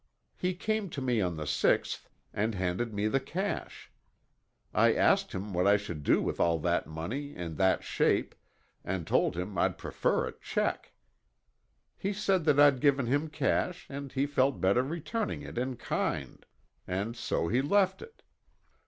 He came to me on the sixth and handed me the cash. I asked him what I should do with all that money in that shape and told him I'd prefer a check. He said that I'd given him cash and he felt better returning it in kind. And so he left it.